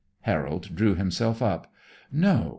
Harold drew himself up. "No.